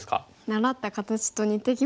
習った形と似てきましたね。